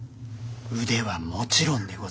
腕はもちろんでございます。